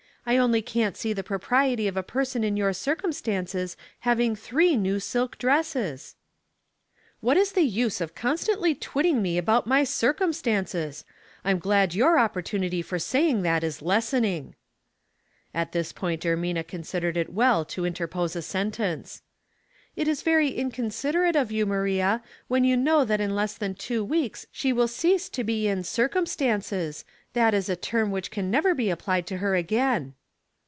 I only can't see the propriety of a person in your circumstances having three new silk dresses." " What is the use of constantly twitting me Practical Arithmetic, 155 about my eircumstayices ? I'm glad your oppor tunity for saying that is lessening." At this point Ermina considered it well to in terpose a sentence. '' It is very inconsiderate of you, Maria, when you know that in less than two weeks she will cease to be in circumstances — that is a term which can never be applied to her again."